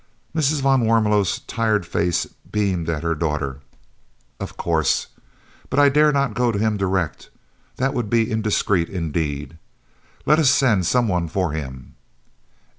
Mrs. van Warmelo's tired face beamed at her daughter. "Of course, but I dare not go to him direct that would be indiscreet indeed. Let us send some one for him."